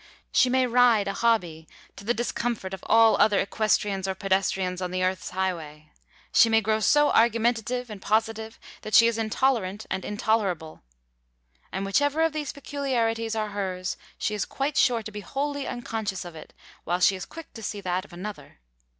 She may ride a hobby, to the discomfort of all other equestrians or pedestrians on the earth's highway. She may grow so argumentative and positive that she is intolerant and intolerable. And whichever of these peculiarities are hers, she is quite sure to be wholly unconscious of it, while she is quick to see that of another.